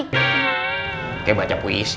kayak baca puisi